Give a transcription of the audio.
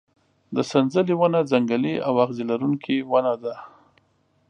د سنځلې ونه ځنګلي او اغزي لرونکې ونه ده.